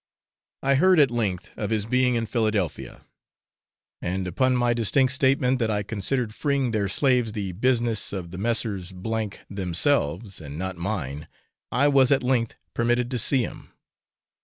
I heard at length of his being in Philadelphia; and upon my distinct statement that I considered freeing their slaves the business of the Messrs. themselves, and not mine, I was at length permitted to see him.